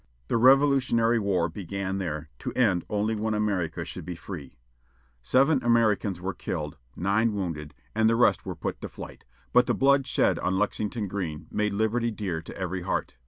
The Revolutionary War began there, to end only when America should be free. Seven Americans were killed, nine wounded, and the rest were put to flight; but the blood shed on Lexington Green made liberty dear to every heart.